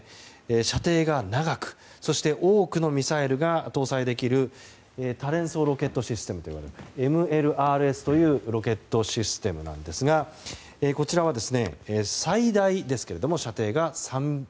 射程が長く多くのミサイルが搭載できる多連装ロケットシステムというＭＬＲＳというロケットシステムなんですがこちらは最大射程が３００ｋｍ。